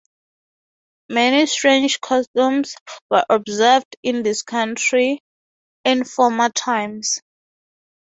Many strange customs were observed in this country in former times.